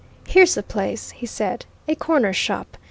"Here's the place," he said, "a corner shop.